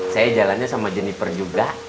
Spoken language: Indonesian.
saya jalannya sama jenniper juga